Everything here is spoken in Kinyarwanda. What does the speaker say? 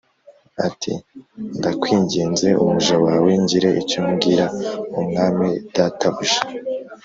ati “Ndakwinginze, umuja wawe ngire icyo mbwira umwami databuja.”